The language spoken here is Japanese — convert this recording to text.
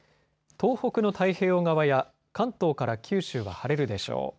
東北の太平洋側や関東から九州は晴れるでしょう。